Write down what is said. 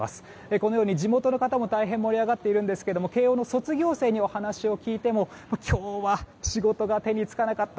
このように地元の方も大変盛り上がっていますが慶応の卒業生にお話を聞いても今日は仕事が手につかなかった。